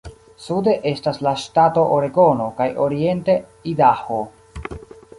Sude estas la ŝtato Oregono kaj oriente Idaho.